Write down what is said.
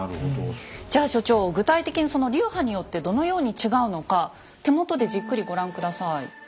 じゃ所長具体的にその流派によってどのように違うのか手元でじっくりご覧下さい。